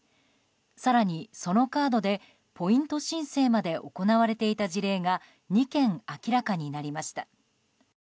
更に、そのカードでポイント申請まで行われていた事例が２件、明らかになりました。